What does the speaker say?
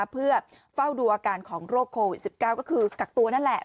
เพื่อเฝ้าดูอาการของโรคโควิด๑๙ก็คือกักตัวนั่นแหละ